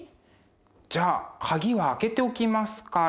じゃあ鍵は開けておきますから。